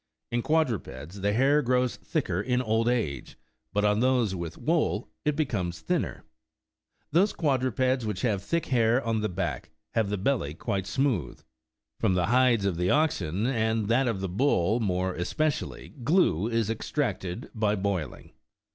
In quadrupeds, the hair grows thicker in old age ; but on those with wool, it becomes thinner. Those quadrupeds which have thick hair on the back, have the belly quite smooth. From the hides of oxen, and that of the bull more especially, glue is extracted by boiling.